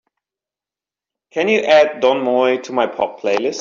Can you add don moye to my Pop playlist?